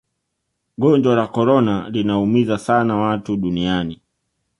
gonjwa la korona linaumiza sana watu duniani